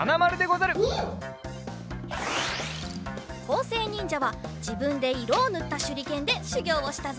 こうせいにんじゃはじぶんでいろをぬったしゅりけんでしゅぎょうをしたぞ。